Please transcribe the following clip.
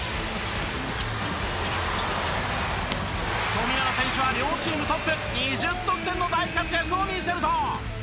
富永選手は両チームトップ２０得点の大活躍を見せると。